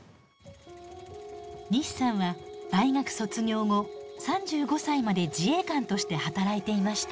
西さんは大学卒業後３５歳まで自衛官として働いていました。